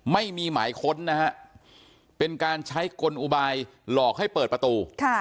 ไม่มีหมายค้นนะฮะเป็นการใช้กลอุบายหลอกให้เปิดประตู